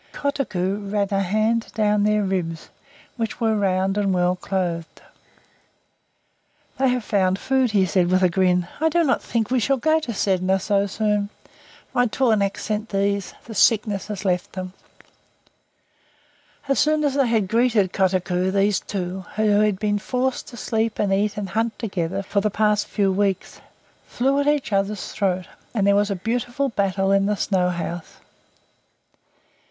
Kotuko ran a hand down their ribs, which were round and well clothed. "They have found food," he said, with a grin. "I do not think we shall go to Sedna so soon. My tornaq sent these. The sickness has left them." As soon as they had greeted Kotuko, these two, who had been forced to sleep and eat and hunt together for the past few weeks, flew at each other's throat, and there was a beautiful battle in the snow house.